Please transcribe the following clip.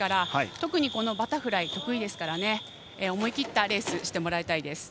特にバタフライ得意ですから思い切ったレースをしてもらいたいです。